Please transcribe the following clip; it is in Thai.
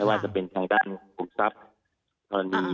ว่าจะเป็นทางด้านขุมทรัพย์กรณี